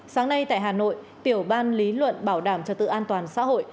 sáng nay tại hà nội tiểu ban lý luận bảo đảm trật tự an toàn xã hội